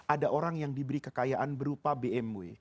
ada orang yang diberi kekayaan berupa bmw